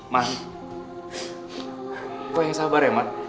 man kau yang sabar ya man